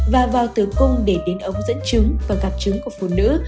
và vào tử cung để đến ống dẫn chứng và gặp trứng của phụ nữ